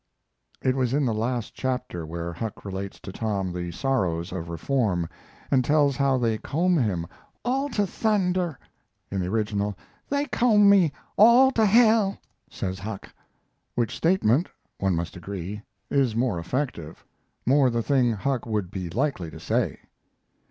It was in the last chapter, where Huck relates to Tom the sorrows of reform and tells how they comb him "all to thunder." In the original, "They comb me all to hell," says Huck; which statement, one must agree, is more effective, more the thing Huck would be likely to say.